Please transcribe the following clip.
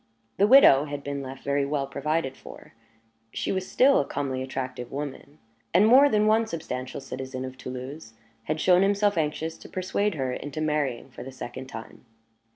The widow had been left very well provided for she was still a comely, attractive woman and more than one substantial citizen of Toulouse had shown himself anxious to persuade her into marrying for the second time.